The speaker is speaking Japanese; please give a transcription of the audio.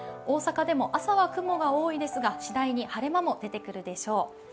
大阪でも朝は雲が多いですが次第に晴れ間も出てくるでしょう。